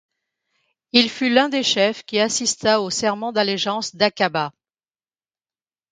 Il fut l'un des chefs qui assista au serment d'allégeance d'Aqabah.